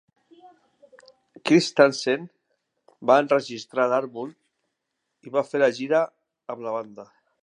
Christensen va enregistrar l'àlbum i va fer la gira amb la banda.